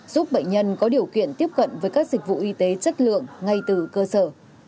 giúp bệnh nhân có điều kiện tiếp cận với các dịch vụ y tế chất lượng ngay từ cơ sở